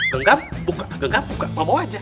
genggam buka mau mau aja